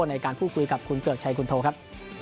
ในการพูดคุยกับคุณเกือกชัยคุณโทครับ